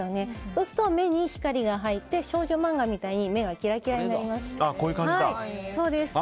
そうすると目に光が入って少女漫画みたいに目がキラキラになります。